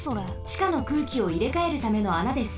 ちかの空気をいれかえるためのあなです。